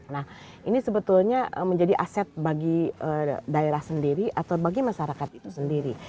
nah ini sebetulnya menjadi aset bagi daerah sendiri atau bagi masyarakat itu sendiri